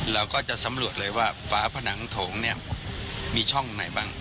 เราก็จะสำรวจเลยว่าฝาผนังถงเนี่ยมีช่องไหนบ้าง